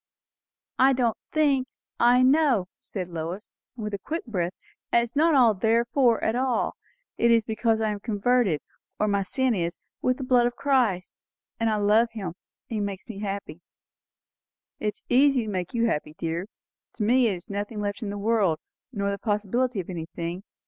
"I don't think, I know," said Lois, with a quick breath. "And it is not 'therefore' at all; it is because I am covered, or my sin is, with the blood of Christ. And I love him; and he makes me happy." "It is easy to make you happy, dear. To me there is nothing left in the world, nor the possibility of anything.